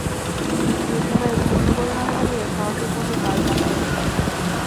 মুক্তিযোদ্ধারা এতে মনোবল না হারিয়ে সাহসের সঙ্গে পাল্টা আক্রমণ করেন।